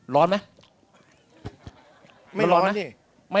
ร้อนไหม